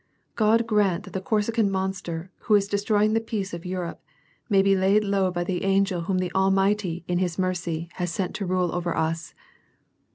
God grant that the Corsican monster, who is destroying the peace of Europe, may be laid low by the angel whom the Al mighty, in his mercy, has sent to rule over us.